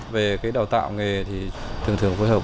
về đào tạo nghề thì thường thường phối hợp